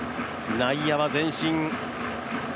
内野は前進。